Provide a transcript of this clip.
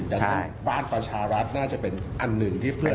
ดังนั้นบ้านประชารัฐน่าจะเป็นอันหนึ่งที่เพื่อ